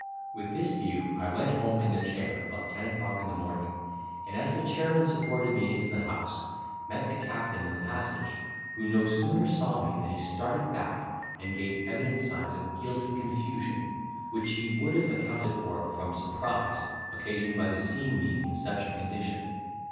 With this view, I went home in the chair about ten o'clock in the morning; and as the chairman supported me into the house, met the captain in the passage, who no sooner saw me than he started back and gave evident signs of guilty confusion, which he would have accounted for from surprise occasioned by the seeing me in such a condition.